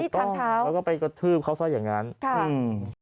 ต้นทางแล้วก็ไปกระทืบเขาซะอย่างนั้นค่ะอืม